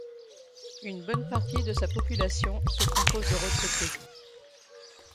Une bonne partie de sa population se compose de retraités.